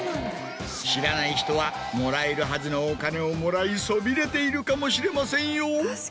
知らない人はもらえるはずのお金をもらいそびれているかもしれませんよ。